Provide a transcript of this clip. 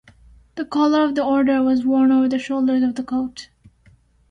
The collar of the Order was worn over the shoulders of the coat.